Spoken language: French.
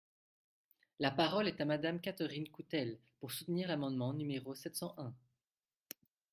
La parole est à Madame Catherine Coutelle, pour soutenir l’amendement n° sept cent un.